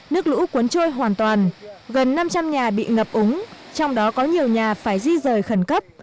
nước lũ cuốn trôi hoàn toàn gần năm trăm linh nhà bị ngập úng trong đó có nhiều nhà phải di rời khẩn cấp